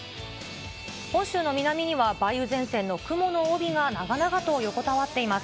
本州の南には梅雨前線の雲の帯が長々と横たわっています。